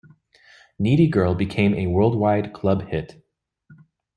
"Needy Girl" became a worldwide club hit.